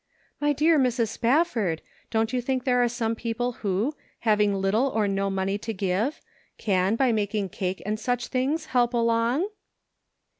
" My dear Mrs. Spafford, don't you think there are some people who, having little or no money to give, can, by making cake and such things, help along